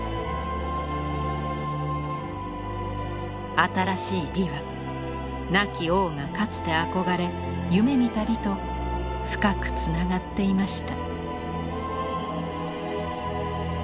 新しい美は亡き王がかつて憧れ夢見た美と深くつながっていました。